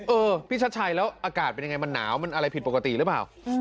เออพี่ชัดชัยแล้วอากาศเป็นยังไงมันหนาวมันอะไรผิดปกติหรือเปล่า